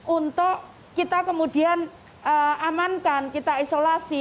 untuk kita kemudian amankan kita isolasi